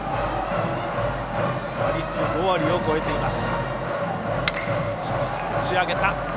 打率５割を超えています。